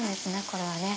これはね。